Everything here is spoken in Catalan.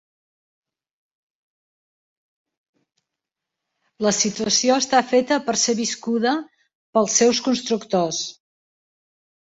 La situació està feta per ser viscuda pels seus constructors.